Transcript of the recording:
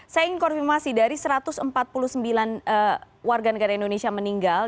saya ingin konfirmasi dari satu ratus empat puluh sembilan warga negara indonesia meninggal